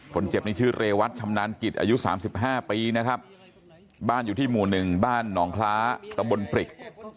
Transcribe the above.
คนเจ็บนี้ชื่อเรวัตชำนาญกิจอายุ๓๕ปีนะครับบ้านอยู่ที่หมู่๑บ้านหนองคล้าตะบนปริก